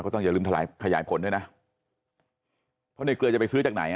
ต้องอย่าลืมทลายขยายผลด้วยนะเพราะในเกลือจะไปซื้อจากไหนอ่ะ